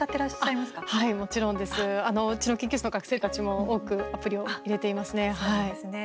うちの研究室の学生たちも多くアプリを入れていますね。